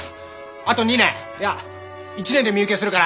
あと２年いや１年で身請けするから！